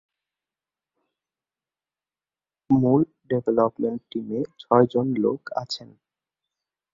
মূল ডেভেলপমেন্ট টিমে ছয়জন লোক আছেন।